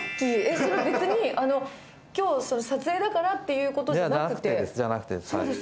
それは別に、きょう、撮影だからっていうことじゃなくて？ではなくてです。